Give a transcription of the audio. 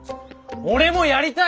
俺もやりたいっす！